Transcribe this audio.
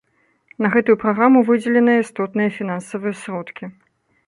На гэтую праграму выдзеленыя істотныя фінансавыя сродкі.